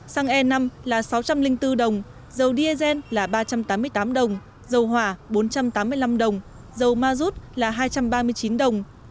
xăng e năm là sáu trăm linh bốn đồng dầu diesel là ba trăm tám mươi tám đồng dầu hỏa bốn trăm tám mươi năm đồng dầu ma rút là hai trăm ba mươi chín đồng